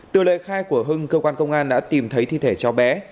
từ lời khai của hưng công an thị xã đồng xoài đã tìm thấy thi thể cháu bé